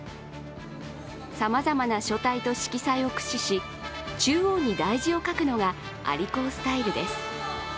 さまざまな書体と色彩を駆使し、中央に題字を書くのが蟻高スタイルです。